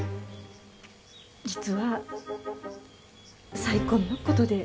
実は再婚のことで。